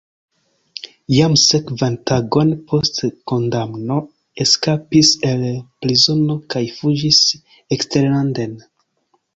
Jam sekvan tagon post kondamno eskapis el prizono kaj fuĝis eksterlanden.